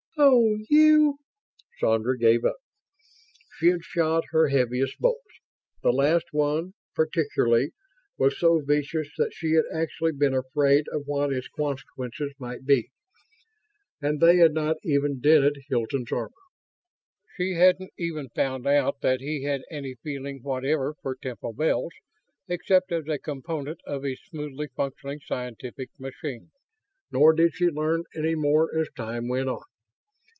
"Oh, you...." Sandra gave up. She had shot her heaviest bolts the last one, particularly, was so vicious that she had actually been afraid of what its consequences might be and they had not even dented Hilton's armor. She hadn't even found out that he had any feeling whatever for Temple Bells except as a component of his smoothly functioning scientific machine. Nor did she learn any more as time went on.